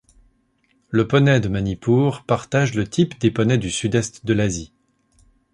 La poney de Manipur partage le type des poneys du Sud-Est de l'Asie.